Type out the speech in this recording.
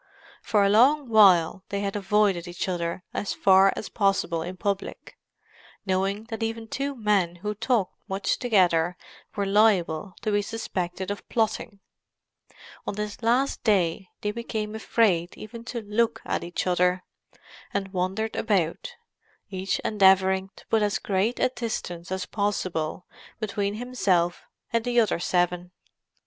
For a long while they had avoided each other as far as possible in public, knowing that even two men who talked much together were liable to be suspected of plotting; on this last day they became afraid even to look at each other, and wandered about, each endeavouring to put as great a distance as possible between himself and the other seven.